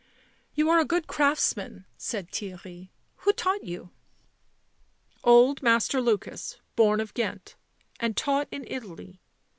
" You are a good craftsman," said Theirry. " Who taught you?" " Old Master Lukas, born of Ghent, and taught in Italy.